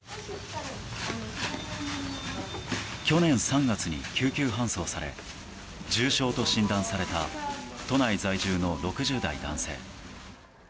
去年３月に緊急搬送され重症と診断された都内在住の６０代男性。